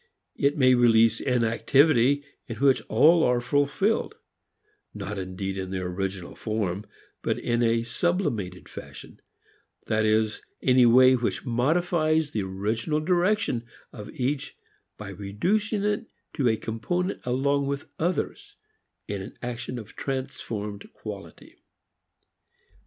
It may release an activity in which all are fulfilled, not indeed, in their original form, but in a "sublimated" fashion, that is in a way which modifies the original direction of each by reducing it to a component along with others in an action of transformed quality.